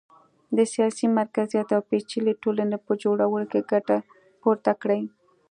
د سیاسي مرکزیت او پېچلې ټولنې په جوړولو کې ګټه پورته کړي